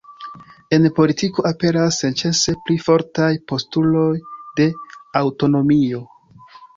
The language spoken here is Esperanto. En politiko aperas senĉese pli fortaj postuloj de aŭtonomio.